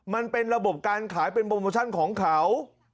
มันเป็นระบบการขายเป็นโปรโมชั่นของเขา